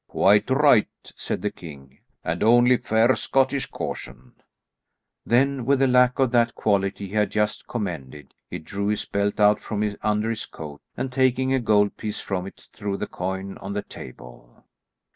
"Quite right," said the king, "and only fair Scottish caution." Then with a lack of that quality he had just commended, he drew his belt out from under his coat, and taking a gold piece from it, threw the coin on the table.